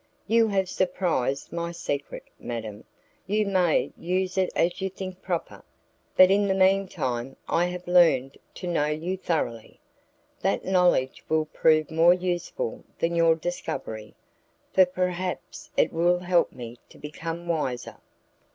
You have surprised my secret, madam, you may use it as you think proper, but in the meantime I have learned to know you thoroughly. That knowledge will prove more useful than your discovery, for perhaps it will help me to become wiser."